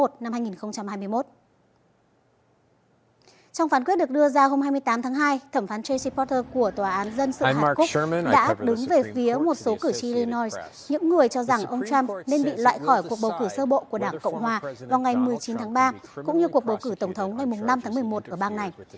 trong phán quyết được đưa ra hôm hai mươi tám tháng hai thẩm phán tracy porter của tòa án dân sự hàn quốc đã đứng về phía một số cử trillinois những người cho rằng ông trump nên bị loại khỏi cuộc bầu cử sơ bộ của đảng cộng hòa vào ngày một mươi chín tháng ba cũng như cuộc bầu cử tổng thống ngày năm tháng một mươi một ở bang này